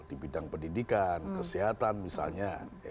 di bidang pendidikan kesehatan misalnya